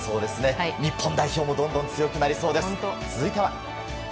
日本代表もどんどん強くなりそうです。